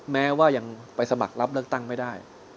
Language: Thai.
แม้ว่ายังไปสมัครรับเลือกตั้งไม่ได้